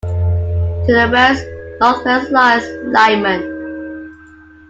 To the west-northwest lies Lyman.